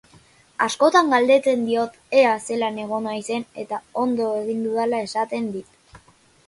Askotan galdetzen diot ea zelan egon naizen eta ondo egin dudala esaten dit.